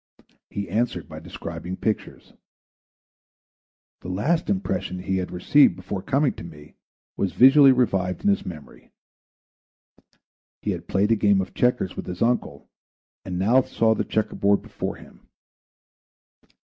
He answered by describing pictures. The last impression he had received before coming to me was visually revived in his memory. He had played a game of checkers with his uncle, and now saw the checkerboard before him.